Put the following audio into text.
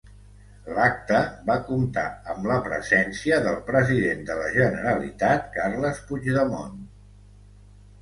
L'acte va comptar amb la presència del president de la Generalitat, Carles Puigdemont.